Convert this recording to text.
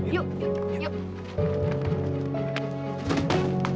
yuk yuk yuk